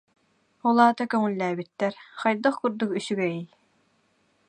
«Ол аата көҥүллээбиттэр, хайдах курдук үчүгэйий